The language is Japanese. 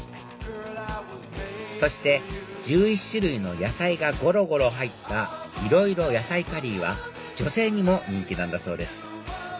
そして１１種類の野菜がごろごろ入ったいろいろ野菜カリーは女性にも人気なんだそうです